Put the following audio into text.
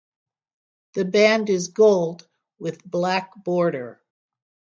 The band is gold with black border.